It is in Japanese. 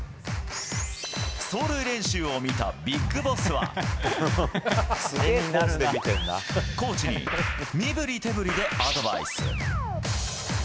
走塁練習を見たビッグボスはコーチに身振り手振りでアドバイス。